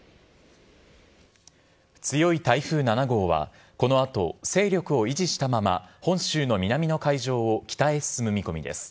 強い台風７号は、このあと勢力を維持したまま、本州の南の海上を北へ進む見込みです。